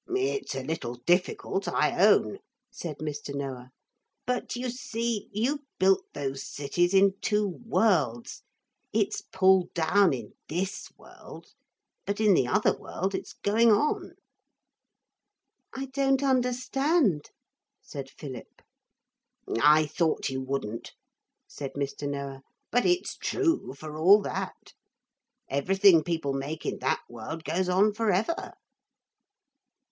'It's a little difficult, I own,' said Mr. Noah. 'But, you see, you built those cities in two worlds. It's pulled down in this world. But in the other world it's going on.' 'I don't understand,' said Philip. 'I thought you wouldn't,' said Mr. Noah; 'but it's true, for all that. Everything people make in that world goes on for ever.'